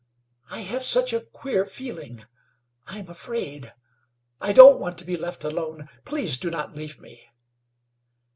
"I have such a queer feeling. I am afraid. I don't want to be left alone. Please do not leave me."